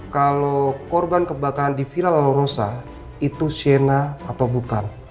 kalau korban kebakaran di villa lalosa itu sienna atau bukan